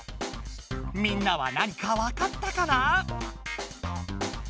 みんなは何かわかったかな？